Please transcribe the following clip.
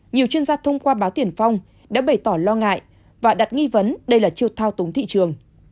nhiều chuyên gia thông qua báo tiền phong đã bày tỏ lo ngại và đặt nghi vấn đây là chiêu thao túng thị trường